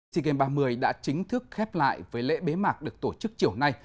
sea games ba mươi đã chính thức khép lại với lễ bế mạc được tổ chức chiều nay